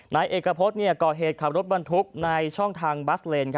นายเอกพฤษก่อเหตุขับรถบรรทุกในช่องทางบัสเลน